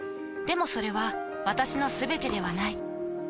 でもそれは私のすべてではない。